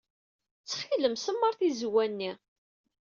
Ttxil-m, semmeṛ tizewwa-nni.